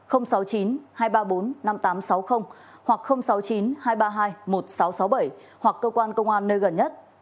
hoặc sáu mươi chín hai trăm ba mươi hai một nghìn sáu trăm sáu mươi bảy hoặc cơ quan công an nơi gần nhất